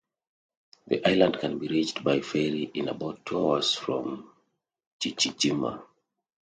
The island can be reached by ferry in about two hours from Chichijima.